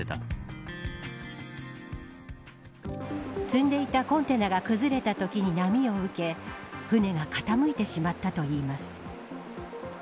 積んでいたコンテナが崩れたときに波を受け船が傾いてしまったといいます。